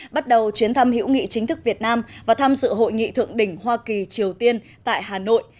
bắt đầu chuyến thăm hữu nghị chính thức việt nam và tham dự hội nghị thượng đỉnh hoa kỳ triều tiên tại hà nội